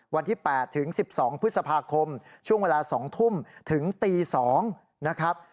วันที่๘ถึง๑๒พฤษภาคมช่วงเวลา๒ทุ่มถึงตี๒นะครับ